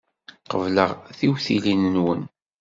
Qebleɣ tiwtilin-nwen.